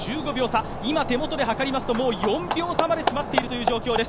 今、手元ではかりますともう４秒差まで詰まっている状況です。